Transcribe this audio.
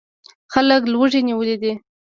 خلک لوږې نیولي دي.